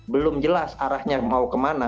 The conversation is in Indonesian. belum jelas arahnya mau kemana